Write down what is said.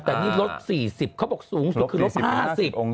แต่นี่ลด๔๐เขาบอกสูงสุดคือลด๕๐อง